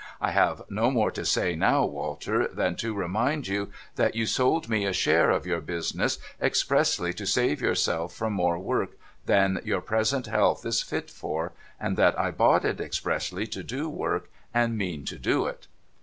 I have no more to say now, Walter, than to remind you that you sold me a share in your business, expressly to save yourself from more work than your present health is fit for, and that I bought it expressly to do work, and mean to do it.'